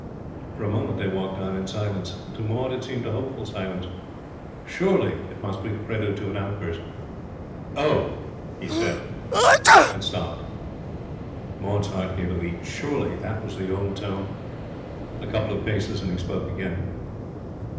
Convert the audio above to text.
For a moment they walked on in silence. To Maud it seemed a hopeful silence. Surely it must be the prelude to an outburst. 'Oh!' he said, and stopped. Maud's heart gave a leap. Surely that was the old tone? A couple of paces, and he spoke again.